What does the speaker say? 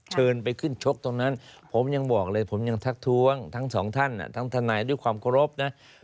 เชิญไปขึ้นชกตรงนั้นผมยังบอกเลยผมยังทักท้วงทั้งสองท่านทั้งทนายด้วยความเคารพนะ